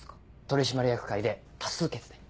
取締役会で多数決で。